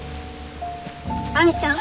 亜美ちゃん。